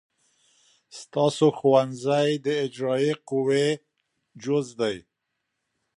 ستاسې ښوونځی د اجرائیه قوې جز دی.